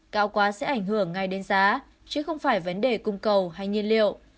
cao quá sẽ ảnh hưởng ngay đến giá chứ không phải vấn đề cung cầu hay nhiên liệu